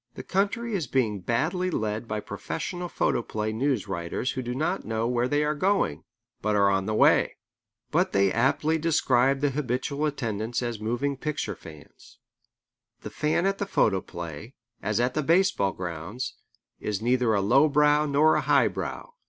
The country is being badly led by professional photoplay news writers who do not know where they are going, but are on the way. But they aptly describe the habitual attendants as moving picture fans. The fan at the photoplay, as at the baseball grounds, is neither a low brow nor a high brow.